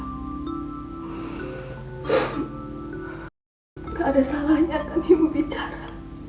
tak ada salahnya akan ibu bicara